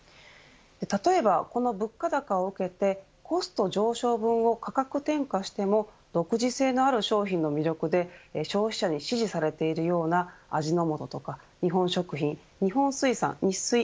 例えば、この物価高を受けてコスト上昇分を価格転嫁しても独自性のある商品の魅力で消費者に支持されているような味の素とか日本食品日本水産、ニッスイ